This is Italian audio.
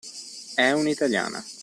È un'italiana